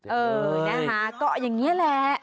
เออนะคะก็อย่างนี้แหละ